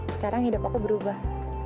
sekarang hidup aku berubah